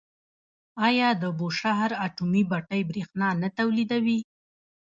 آیا د بوشهر اټومي بټۍ بریښنا نه تولیدوي؟